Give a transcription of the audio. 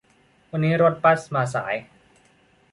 วันนี้รถบัสมาสาย